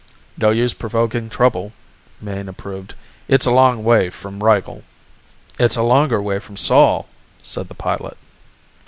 "No use provoking trouble," Mayne approved. "It's a long way from Rigel." "It's a longer way from Sol," said the pilot.